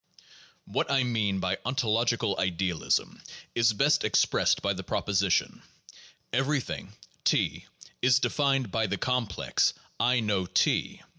What I mean by ontological idealism is best expressed by the proposition: Everything (T) is defined by the complex, I know T.